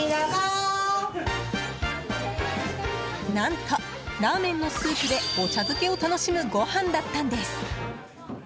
何とラーメンのスープでお茶漬けを楽しむご飯だったんです。